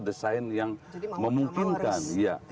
desain yang memungkinkan